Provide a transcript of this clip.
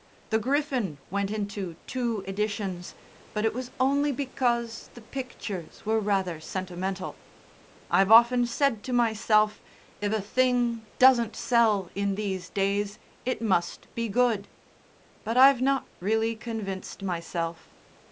'The Griffin' went into two editions, but it was only because the pictures were rather sentimental. I've often said to myself, 'If a thing doesn't sell in these days it must be good,' but I've not really convinced myself.